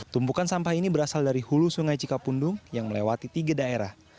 tumpukan sampah ini berasal dari hulu sungai cikapundung yang melewati tiga daerah